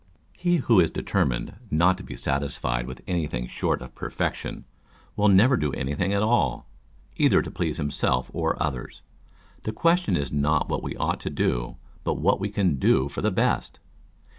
He who is determined not to be satisfied with anything short of perfection, will never do anything at all, either to please himself or others. The question is not what we ought to do, but what we can do for the best.